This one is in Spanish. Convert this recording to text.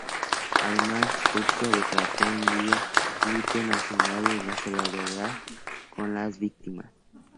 Además, Turquía decretó un día de luto nacional en solidaridad con las víctimas.